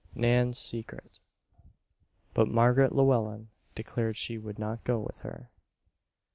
NAN'S SECRET But Margaret Llewellen declared she would not go with her!